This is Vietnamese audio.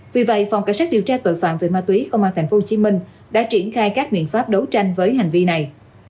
vì vậy phòng cảnh sát điều tra tội phạm về ma túy công an tp hcm đã triển khai các biện pháp đấu tranh với hành vi này